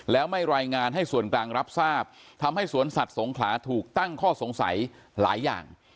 แล้วไม่รายงานให้ส่วนกลางรับทราบทำให้สวนสัตว์สงขลาถูกตั้งข้อสงสัยหลายอย่าง